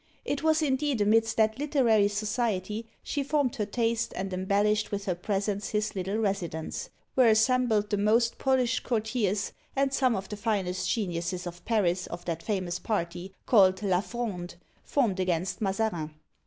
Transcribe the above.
It was indeed amidst that literary society she formed her taste and embellished with her presence his little residence, where assembled the most polished courtiers and some of the finest geniuses of Paris of that famous party, called La Fronde, formed against Mazarin.